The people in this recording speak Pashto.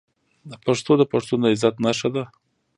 پښتو د پښتون د عزت نښه ده.